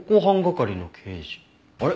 あれ？